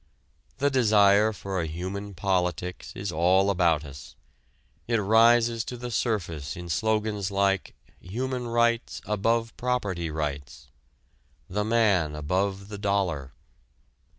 The desire for a human politics is all about us. It rises to the surface in slogans like "human rights above property rights," "the man above the dollar."